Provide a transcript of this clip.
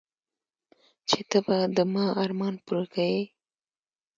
چې ته به د ما ارمان پوره كيې.